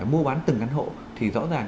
mua bán từng căn hộ thì rõ ràng